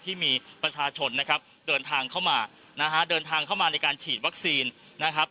ที่มีประชาชนนะครับเดินทางเข้ามาในการฉีดวัคซีนนะครับ